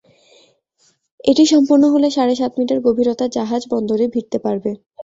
এটি সম্পন্ন হলে সাড়ে সাত মিটার গভীরতার জাহাজ বন্দরে ভিড়তে পারবে।